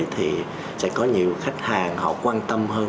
thì sẽ có nhiều khách hàng họ quan tâm hơn